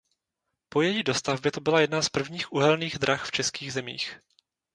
Po její dostavbě to byla jedna z prvních uhelných drah v českých zemích.